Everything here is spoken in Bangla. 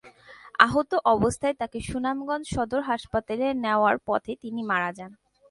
আহত অবস্থায় তাঁকে সুনামগঞ্জ সদর হাসপাতালে নেওয়ার পথে তিনি মারা যান।